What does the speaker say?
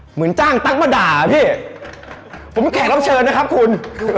เหมือนจ้างตั๊กมาด่าพี่ผมแขกรับเชิญนะครับคุณ